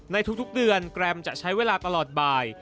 ในทุกเดือนแกรมจะใช้เวลาตลอดบ่าย